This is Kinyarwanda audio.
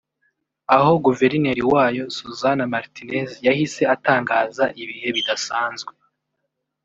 aho Guverineri wayo Susana Martinez yahise atangaza ibihe bidasanzwe